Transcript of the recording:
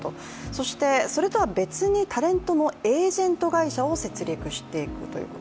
そしてそれとは別にタレントのエージェント会社を設立していくという。